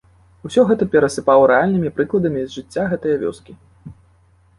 Усё гэта перасыпаў рэальнымі прыкладамі з жыцця гэтае вёскі.